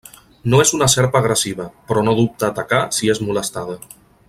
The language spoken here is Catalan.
No és una serp agressiva, però no dubta a atacar si és molestada.